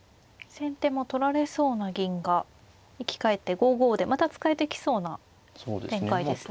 先手も取られそうな銀が生き返って５五でまた使えてきそうな展開ですね。